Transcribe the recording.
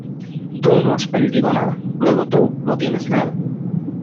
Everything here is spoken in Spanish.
Tú no has perdido nada, luego tú no tienes nada".